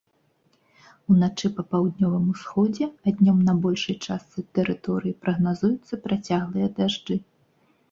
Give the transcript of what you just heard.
Уначы па паўднёвым усходзе, а днём на большай частцы тэрыторыі прагназуюцца працяглыя дажджы.